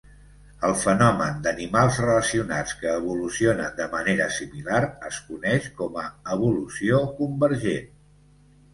El fenomen d'animals relacionats que evolucionen de manera similar es coneix com a evolució convergent.